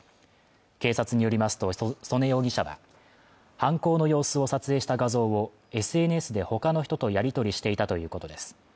警察によりますと曽根容疑者は犯行の様子を撮影した画像をＳＮＳでほかの人とやり取りしていたということです